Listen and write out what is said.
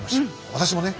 私もね